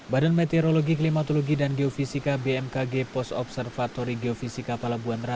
badan meteorologi klimatologi dan geofisika bmkg post observatory geofisika palabuhan ratu